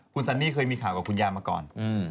คุณซันนี่เคยมีข่าวกับคุณยายมาก่อน